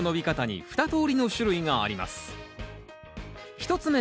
１つ目